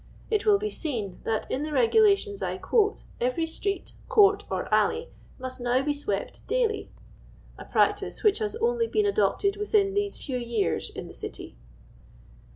It will be seen that in the reguUtions I quote every street, court, or alley, must now be swept flail >/, a ])ractice which has only been adopted within those few ycsurs in the City.